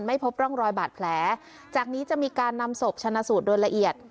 ไม่พบร่องรอยบาดแผลจากนี้จะมีการนำศพชนะสูตรโดยละเอียด